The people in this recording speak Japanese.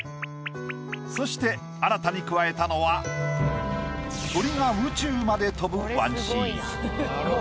そして新たに加えたのは鳥が宇宙まで飛ぶワンシーン。